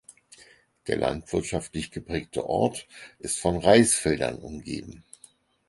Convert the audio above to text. Der landwirtschaftlich geprägte Ort ist von Reisfeldern umgeben.